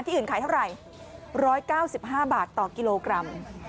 ที่อื่นขายเท่าไหร่ร้อยเก้าสิบห้าบาทต่อกิโลกรัม